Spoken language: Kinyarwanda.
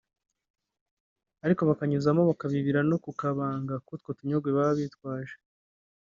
ariko bakanyuzamo bakabibira no kukabanga k’utwo tunyogwe baba bitwaje